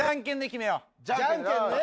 じゃんけんね。